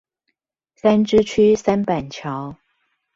三芝區三板橋